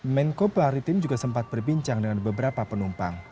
menko paritim juga sempat berbincang dengan beberapa penumpang